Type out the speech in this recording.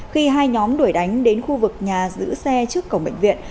khi hai nhóm đuổi đánh đến khu vực nhà giữ xe trước cổng bệnh viện